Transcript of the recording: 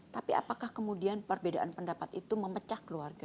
tapi apakah kemudian perbedaan pendapat itu memecah keluarga